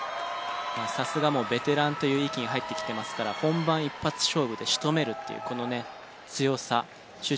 さすがもうベテランという域に入ってきてますから本番一発勝負で仕留めるっていうこのね強さ集中力の高さ。